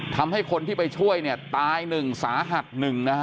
ทำให้คนที่ไปช่วยเนี่ยตายหนึ่งสาหัสหนึ่งนะฮะ